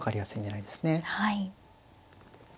はい。